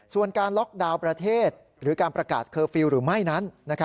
ส่วนการล็อกดาวน์ประเทศหรือการประกาศเคอร์ฟิลล์หรือไม่นั้น